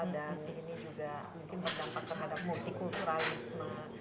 dan ini juga mungkin berdampak terhadap multi kulturalisme